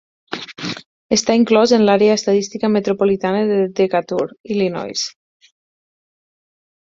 Està inclòs en l'àrea estadística metropolitana de Decatur, Illinois.